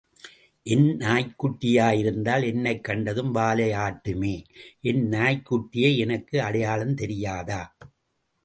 என் நாய்க்குட்டியாயிருந்தால், என்னைக் கண்டதும் வாலை ஆட்டுமே என் நாய்க் குட்டியை எனக்கு அடையாளம் தெரியாதா?